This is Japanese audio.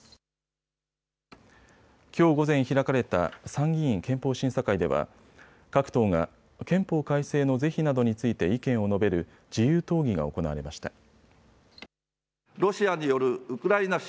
きょう午前開かれた参議院憲法審査会では各党が憲法改正の是非などについて意見を述べる自由討議が行われました。